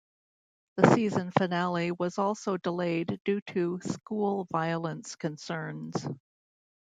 The season finale was also delayed due to "school violence concerns".